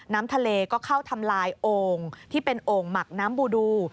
น้ำทะเลก็เข้าทำลายโอ่งที่เป็นโอ่งหมักน้ำบูดู